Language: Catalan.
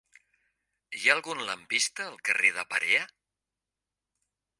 Hi ha algun lampista al carrer de Perea?